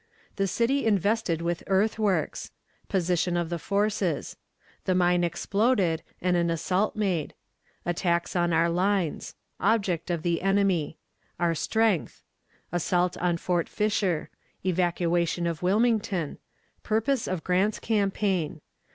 The City invested with Earthworks. Position of the Forces. The Mine exploded, and an Assault made. Attacks on our Lines. Object of the Enemy. Our Strength. Assault on Fort Fisher. Evacuation of Wilmington. Purpose of Grant's Campaign.